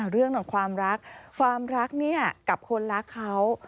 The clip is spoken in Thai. เรื่องของความรักความรักเนี่ยกับคนรักเขา